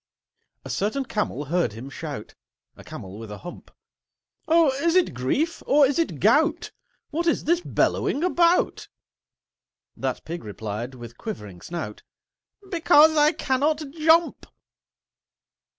A certain Camel heard him shout— A Camel with a hump. "Oh, is it Grief, or is it Gout? What is this bellowing about?" That Pig replied, with quivering snout, "Because I cannot jump!"